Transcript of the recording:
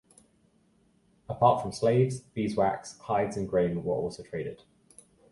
Apart from slaves, beeswax, hides and grain were also traded.